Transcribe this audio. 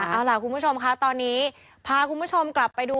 เอาล่ะคุณผู้ชมค่ะตอนนี้พาคุณผู้ชมกลับไปดู